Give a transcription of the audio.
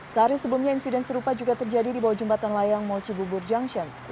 sehari sebelumnya insiden serupa juga terjadi di bawah jembatan layang moci bubur junction